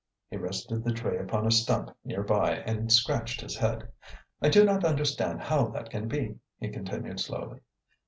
He rested the tray upon a stump near by and scratched his head. "I do not understand how that can be," he continued slowly.